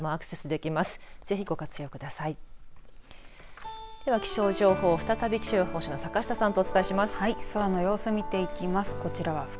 では気象情報、再び気象予報士の坂下さんとお伝えします。